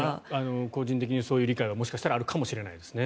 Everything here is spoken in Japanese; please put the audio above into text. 個人的にそういう理解はもしかしたらあるかもしれないですね。